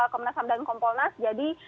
komnas ham dan kompolnas jadi